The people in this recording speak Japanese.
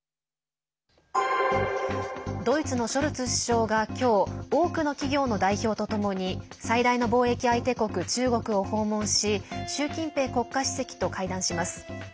ドイツのショルツ首相が今日多くの企業の代表とともに最大の貿易相手国、中国を訪問し習近平国家主席と会談します。